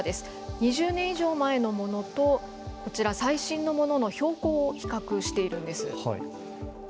２０年以上前のものとこちら最新のものの標高を比較しているんです。